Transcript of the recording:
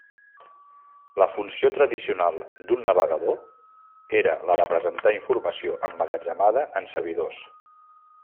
La funció tradicional d'un navegador era la de presentar informació emmagatzemada en servidors.